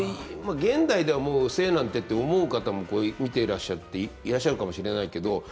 現代ではもう「精なんて」って思う方も見ていらっしゃっていらっしゃるかもしれないけど。